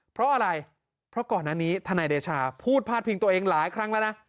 เพราะอะไรเพราะก่อนอันนี้ทนายเดชาพูดพาดพิงตัวเองหลายครั้งแล้วนะ